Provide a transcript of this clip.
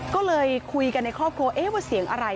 ก็เลยคุยกันในครอบครัวเอ๊ะว่าเสียงอะไร